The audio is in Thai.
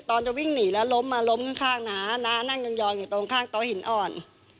ตอนจะวิ่งหนีแล้วล้มมาล้มข้างน้าน้านั่งยองอยู่ตรงข้างโต๊ะหินอ่อน